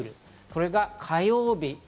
これが火曜日。